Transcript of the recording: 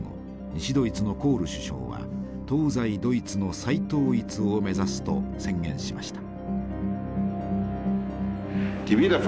西ドイツのコール首相は東西ドイツの再統一を目指すと宣言しました。